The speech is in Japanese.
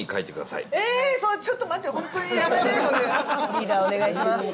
リーダーお願いします。